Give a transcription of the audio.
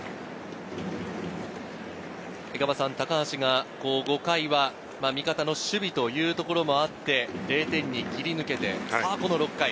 高橋が５回は味方の守備もあって、０点に切り抜けて、この６回。